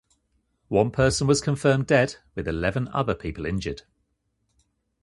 One person was confirmed dead with eleven other people injured.